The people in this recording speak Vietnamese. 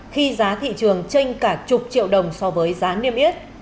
khi giá thị trường tranh cả chục triệu đồng so với giá niêm yết